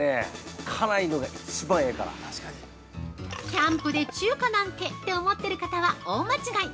◆キャンプで中華なんてって思ってる方は大間違い！